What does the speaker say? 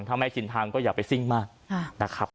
ถ้าไม่ชินทางก็อย่าไปซิ่งมากนะครับ